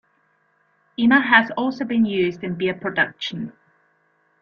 Emmer has also been used in beer production.